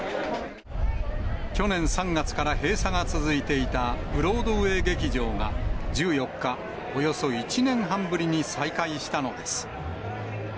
去年３月から閉鎖が続いていたブロードウェイ劇場が１４日、およそ１年半ぶりに再開したのです。